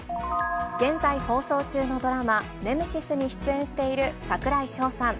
現在放送中のドラマ、ネメシスに出演している櫻井翔さん。